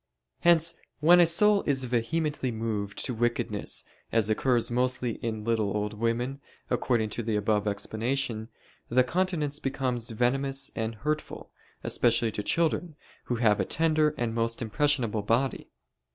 Hence then when a soul is vehemently moved to wickedness, as occurs mostly in little old women, according to the above explanation, the countenance becomes venomous and hurtful, especially to children, who have a tender and most impressionable body.